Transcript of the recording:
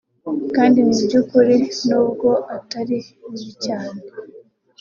kandi mu by’ukuri n’ubwo atari bibi cyane